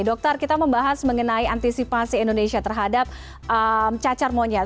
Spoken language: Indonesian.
dokter kita membahas mengenai antisipasi indonesia terhadap cacar monyet